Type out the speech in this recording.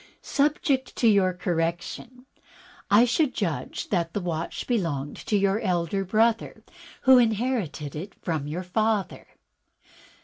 "Subject to your correction, I should judge that the watch belonged to your elder brother, who inherited it from your father."